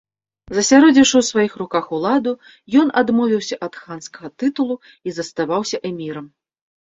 Засяродзіўшы ў сваіх руках уладу, ён адмовіўся ад ханскага тытулу і заставаўся эмірам.